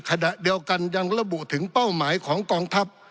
ขณะเดียวกันยังระบุถึงเป้าหมายของกองทัพ